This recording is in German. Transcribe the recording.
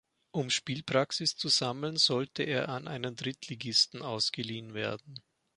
Um Spielpraxis zu sammeln, sollte er an einen Drittligisten ausgeliehen werden.